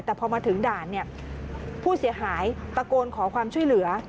แต่พอมาถึงด่านเนี่ยผู้เสียหายตะโกนขอความช่วยเหลือ